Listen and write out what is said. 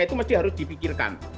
itu mesti harus dipikirkan